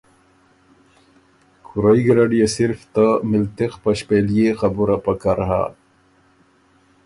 کُورئ ګیرډ يې صرف ته مِلتِغ په ݭپېلئےخبُره پکر هۀ۔